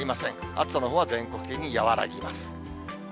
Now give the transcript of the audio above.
暑さのほうは全国的に和らぎます。